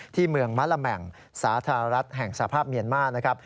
ที่เมืองมะละแหม่งสาธารัฐแห่งสภาพเมียนมาร์นะครับ